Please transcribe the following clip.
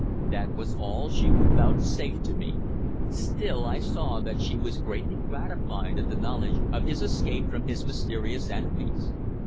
That was all she would vouchsafe to me. Still I saw that she was greatly gratified at the knowledge of his escape from his mysterious enemies.